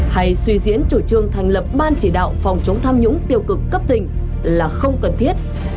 hay suy diễn chủ trương thành lập ban chỉ đạo phòng chống tham nhũng tiêu cực cấp tỉnh là không cần thiết